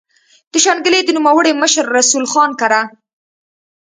د شانګلې د نوموړي مشر رسول خان کره